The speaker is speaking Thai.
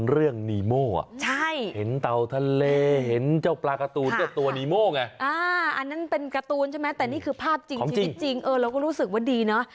เราก็รู้สึกว่าดีเนอะ